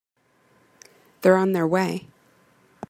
They're on their way.